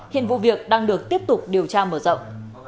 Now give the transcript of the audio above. hiện vụ việc đang được tiếp tục điều tra mở rộng